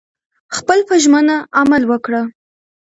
خپل په ژمنه عمل وکړه